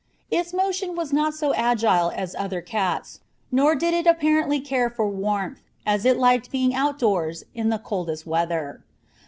Its motion was not so agile as other cats, nor did it apparently care for warmth, as it liked being outdoors in the coldest weather.